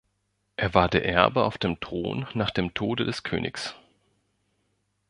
Er war der Erbe auf den Thron nach dem Tode des Königs.